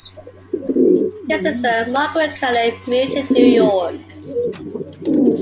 His sister Margaret Caley, moved to New York.